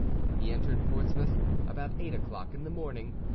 He entered Portsmouth about eight o'clock in the morning.